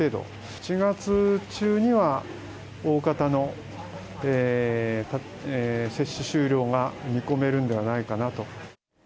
７月中には、大方の接種終了が見込めるんではないかなと。